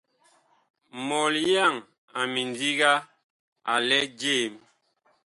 Mɔlyaŋ a mindiga a lɛ jem.